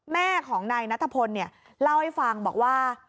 แม่ของนัททะพลเนี่ยเล่าให้ฟังบอกว่า